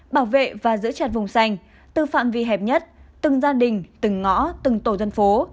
bảo vệ và giữ chặt vùng xanh từ phạm vi hẹp nhất từng gia đình từng ngõ từng tổ dân phố